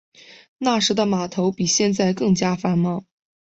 那时的码头比现在更加繁忙。